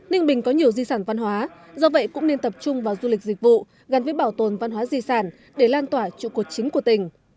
ninh bình có nhiều di sản văn hóa do vậy cũng nên tập trung vào du lịch dịch vụ gắn với bảo tồn văn hóa di sản để lan tỏa trụ cột chính của tỉnh